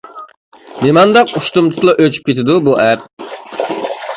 نېمانداق ئۇشتۇمتۇتلا ئۆچۈپ كېتىدۇ بۇ ئەپ؟